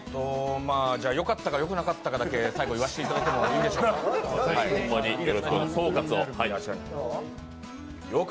よかったかよくなかっただけ最後言わせてもいただいてもいいでしょうか。